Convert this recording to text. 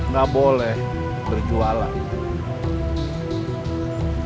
gak boleh berjualan